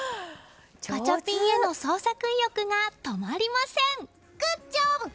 ガチャピンへの創作意欲が止まりません。